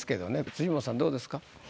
辻元さんどうですか？